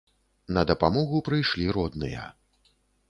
На дапамогу прыйшлі родныя.